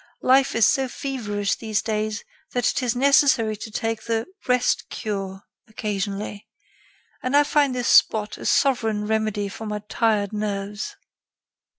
Life is so feverish these days that it is necessary to take the 'rest cure' occasionally, and I find this spot a sovereign remedy for my tired nerves."